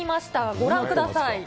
ご覧ください。